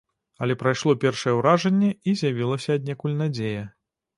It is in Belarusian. Але прайшло першае ўражанне, і з'явілася аднекуль надзея.